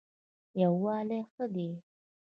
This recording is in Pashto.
یووالی ښه دی.